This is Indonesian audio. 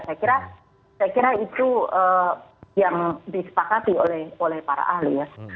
saya kira itu yang disepakati oleh para ahli ya